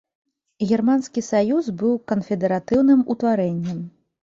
Германскі саюз быў канфедэратыўным утварэннем.